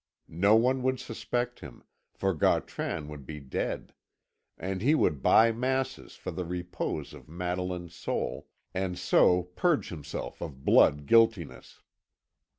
No one would suspect him, for Gautran would be dead; and he would buy masses for the repose of Madeline's soul, and so purge himself of blood guiltiness.